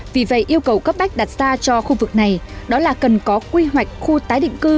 vì vậy yêu cầu cấp bách đặt ra cho khu vực này đó là cần có quy hoạch khu tái định cư